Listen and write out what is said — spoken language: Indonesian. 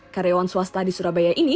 karyawan swasta di surabaya ini